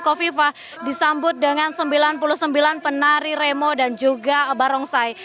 kofifa disambut dengan sembilan puluh sembilan penari remo dan juga barongsai